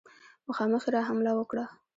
مخامخ یې را حمله وکړه.